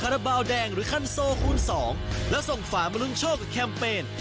รีบส่งกันมาเยอะนะพี่น้อง